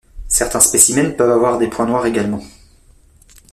Certains spécimens peuvent avoir des points noirs également.